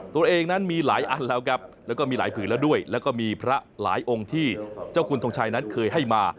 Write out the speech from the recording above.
ตัวเองนั้นมีหลายอันแล้วครับแล้วก็มีหลายผืนแล้วด้วยแล้วก็มีพระหลายองค์ที่เจ้าคุณทงชัยนั้นเคยให้มา